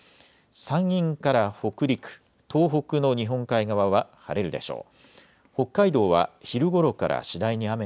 山陰から北陸、東北の日本海側は晴れるでしょう。